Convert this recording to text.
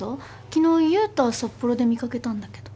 昨日悠太札幌で見掛けたんだけど。